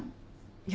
いや。